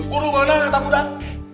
kulit benang tak mudah